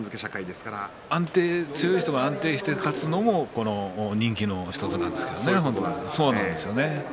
強い人が安定して勝つのも人気の１つなんですけどね本当は。